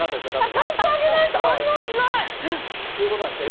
ちゃんと上げないと反応しない。